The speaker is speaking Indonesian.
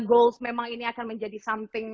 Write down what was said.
goals memang ini akan menjadi samping